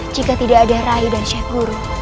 jika tidak ada rai dan sheikh guru